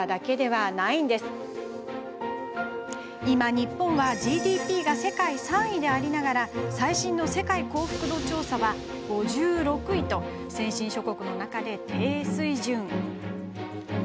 今、日本はＧＤＰが世界３位でありながら最新の世界幸福度調査は５６位と先進諸国の中で低水準。